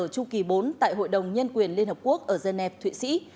tru kỳ bốn tại hội đồng nhân quyền liên hợp quốc ở geneva thụy sĩ